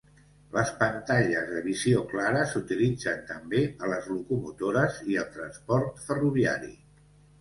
Les pantalles de visió clara s'utilitzen també a les locomotores i al transport ferroviari.